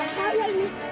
betulnya gerak gerak don